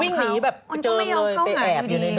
มันวิ่งหนีแบบเจิงเลยไปแอบอยู่ในดงป้วยนี่เลย